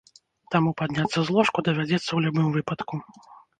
Таму падняцца з ложку давядзецца ў любым выпадку.